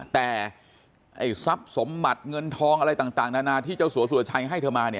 แต่ไอ้ทรัพย์สมบัติเงินทองอะไรต่างนานาที่เจ้าสัวสุรชัยให้เธอมา